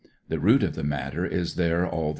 The root of the matter is there all the ' If